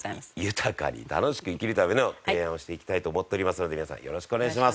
豊かに楽しく生きるための提案をしていきたいと思っておりますので皆さんよろしくお願いします。